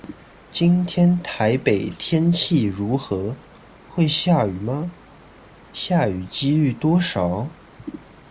今天台北天氣如何?會下雨嗎?下雨機率多少?